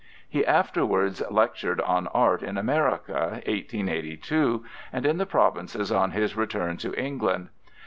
He afterwards lectured on Art in America, 1882, and in the provinces on his return to England.